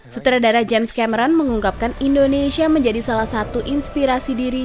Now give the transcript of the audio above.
sutradara james cameron mengungkapkan indonesia menjadi salah satu inspirasi diri